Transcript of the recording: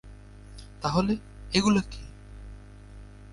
তাহলে, এগুলো কী?